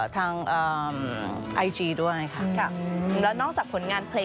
ยังไม่มีถ้าเต้นเลยค่ะตามฟิล์ล